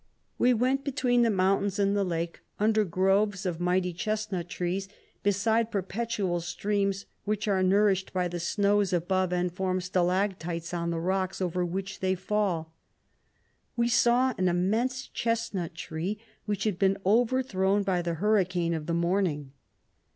We went between the mountains and 124 the lake, under groves of mighty ches nut trees, beside perpetual streams, which are nourished by the snows above, and form stalactites on the rocks, over which they fall. We saw an im > mense chesnut tree, which had been overthrown by the hurricane of the morning.